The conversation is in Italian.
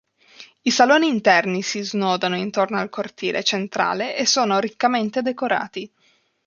I saloni interni si snodano intorno al cortile centrale e sono riccamente decorati.